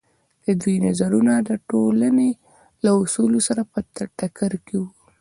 د دوی نظرونه د ټولنې له اصولو سره په ټکر کې وو.